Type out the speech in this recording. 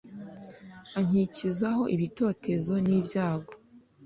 ankikizaho ibitotezo n’ibyago;